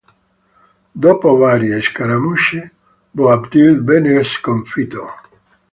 Dopo varie scaramucce, Boabdil venne sconfitto.